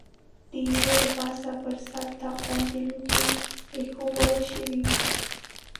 د ایرو له پاسه پر سر طاق باندې لوښي اېښوول شوي و.